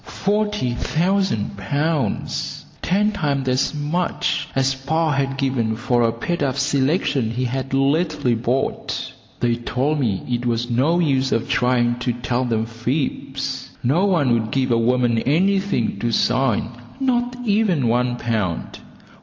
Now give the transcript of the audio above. Forty thousand pounds! Ten times as much as "pa" had given for a paid up selection he had lately bought. They told me it was no use of me trying to tell them fibs. No one would give a woman anything to sing, not even one pound.